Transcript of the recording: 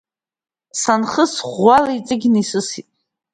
Санхыс, ӷәӷәала иҵыгьны исысит.